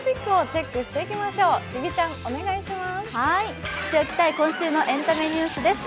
知っておきたい今週のエンタメニュースです。